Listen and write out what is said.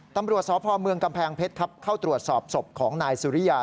ตำรวจสพเมืองกำแพงเพชรครับเข้าตรวจสอบศพของนายสุริยา